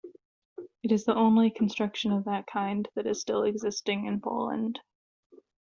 It is the only construction of that kind, that is still existing in Poland.